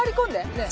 ねえ。